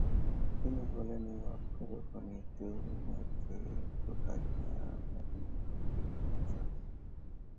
তিনি বলেন, এ ওয়াক্ফ বা প্রণীত মধ্যে কোতাহিয়া, মেনেমেন এবং কিলিজামান।